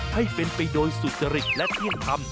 ให้เป็นไปโดยสุจริตและเที่ยงธรรม